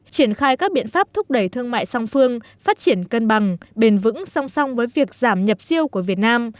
triển khai các biện pháp thúc đẩy thương mại song phương phát triển cân bằng bền vững song song với việc giảm nhập siêu của việt nam